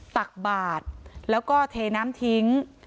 ตักบาทแล้วก็เทน้ำทิ้ง